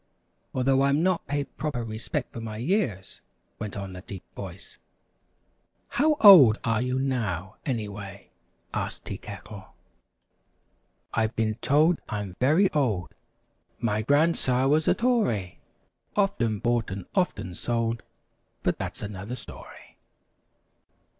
"Although I'm not paid proper respect for my years " went on the deep voice. "How old are you, now, anyway?" asked Tea Kettle. [Illustration: "A joyful surprise!"] "I've been told I'm very old My grandsire was a Tory Often bought and often sold, But that's another story."